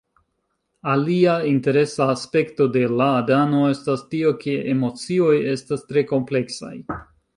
Alia interesa aspekto de Láadano estas tio ke emocioj estas tre kompleksaj